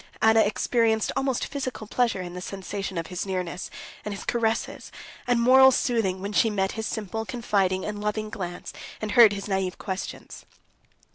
Anna experienced almost physical pleasure in the sensation of his nearness, and his caresses, and moral soothing, when she met his simple, confiding, and loving glance, and heard his naïve questions.